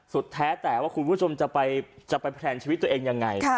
แท้แต่ว่าคุณผู้ชมจะไปแพลนชีวิตตัวเองยังไง